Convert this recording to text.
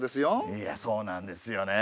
いやそうなんですよね。